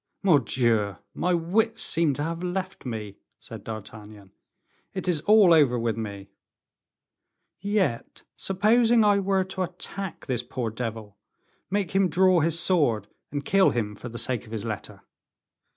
Mordioux! my wits seem to have left me," said D'Artagnan; "it is all over with me. Yet, supposing I were to attack this poor devil, make him draw his sword and kill him for the sake of his letter?